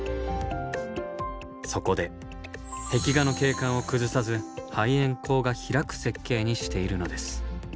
そこで壁画の景観を崩さず排煙口が開く設計にしているのです。